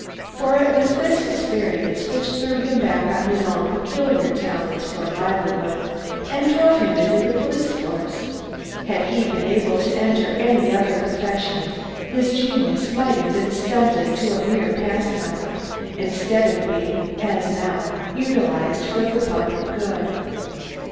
For it was this experience which threw him back on his own peculiar talents for a livelihood, and drove him into the police force. Had he been able to enter any other profession, his genius might have been stunted to a mere pastime, instead of being, as now, utilised for the public good.